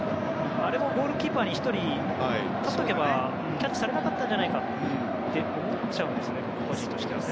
あれもゴールキーパーに１人ついていればキャッチされなかったんじゃないかって思っちゃうんですね。